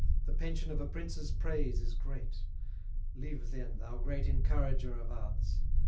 The pension of a prince's praise is great. Live, then, thou great encourager of arts!